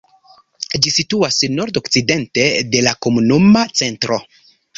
Ĝi situas nord-okcidente de la komunuma centro.